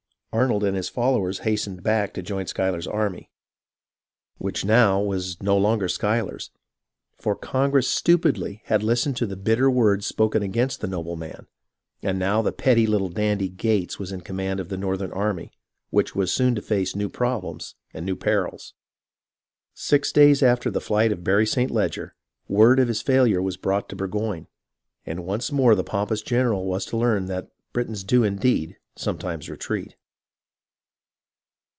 Arnold and his followers hastened back to join Schuyler's army, which now was no longer Schuyler's, for Congress stupidly had listened to the bitter words spoken against the noble man, and now the petty little dandy Gates was in command of IN THE MOHAWK VALLEY 203 the northern army, which was soon to face new problems and new perils. Six days after the flight of Barry St. Leger, word of his failure was brought Burgoyne ; and once more the pompous general was to learn that Britons do indeed sometimes retreat.